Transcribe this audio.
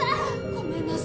ごめんなさい